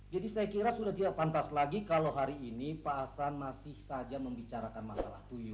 jadi saya kira sudah tidak pantas lagi kalau hari ini pak hasan masih saja membicarakan masalah tuyul